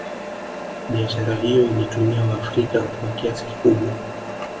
Biashara hiyo ilitumia waafrika kwa kiasi kikubwa